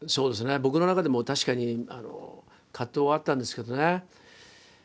僕の中でも確かに葛藤はあったんですけどね。